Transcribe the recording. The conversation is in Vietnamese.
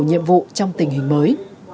nhiệm vụ trong tình hình mới